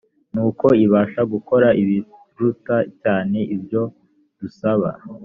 nuko ibasha gukora ibiruta cyane ibyo dusaba